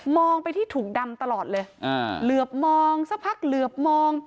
ไปที่ถุงดำตลอดเลยอ่าเหลือบมองสักพักเหลือบมอง